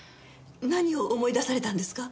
何を思い出されたんですか？